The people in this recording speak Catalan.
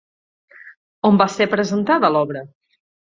On va ser presentada l'obra?